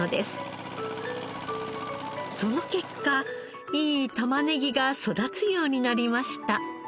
その結果いい玉ねぎが育つようになりました。